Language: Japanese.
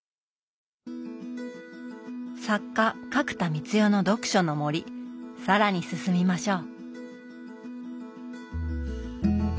作家角田光代の読書の森更に進みましょう！